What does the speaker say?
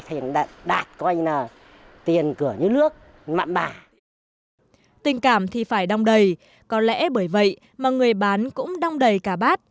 tình cảm thì phải đong đầy có lẽ bởi vậy mà người bán cũng đong đầy cả bát